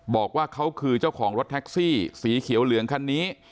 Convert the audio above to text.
บอกว่าเขาคือเจ้าของรถแท็กซี่สีเขียวเหลืองคันนี้